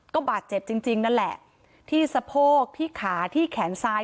ก็บาดเจ็บจริงนั่นแหละที่สะโพกที่ขาที่แขนซ้าย